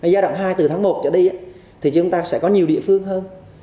giai đoạn hai từ tháng một trở đi thì chúng ta sẽ có nhiều địa phương hơn